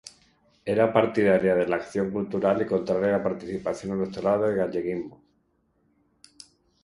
Era partidaria de la acción cultural y contraria a la participación electoral del galleguismo.